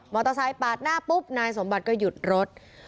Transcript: เตอร์ไซค์ปาดหน้าปุ๊บนายสมบัติก็หยุดรถ